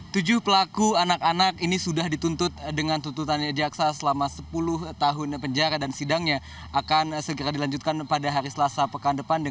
tujuh pelaku anak anak ini sudah dituntut dengan tuntutan jaksa selama sepuluh tahun penjara dan sidangnya akan segera dilanjutkan pada hari selasa pekan depan